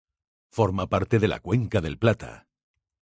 Forma parte de la cuenca del Plata.